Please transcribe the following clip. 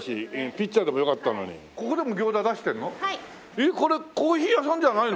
えっこれコーヒー屋さんじゃないの？